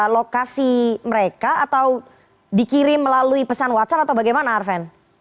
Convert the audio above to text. lokasi mereka atau dikirim melalui pesan whatsapp atau bagaimana arven